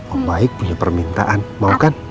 oh baik punya permintaan mau kan